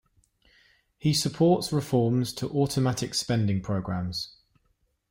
He supports reforms to automatic spending programs.